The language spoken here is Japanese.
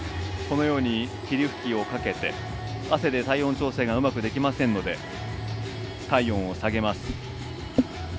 霧吹きをかけて汗で体温調整がうまくできませんので体温を下げます。